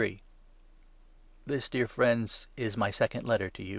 Lone delayed This, dear friends, is my second letter to you.